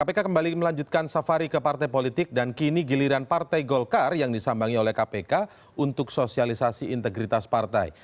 kpk kembali melanjutkan safari ke partai politik dan kini giliran partai golkar yang disambangi oleh kpk untuk sosialisasi integritas partai